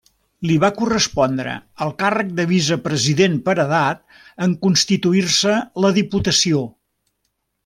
Li va correspondre el càrrec de vicepresident, per edat, en constituir-se la Diputació.